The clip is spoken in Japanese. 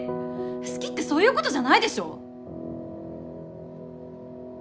好きってそういうことじゃないでしょ？